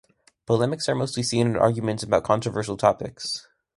Polemics are mostly seen in arguments about controversial topics.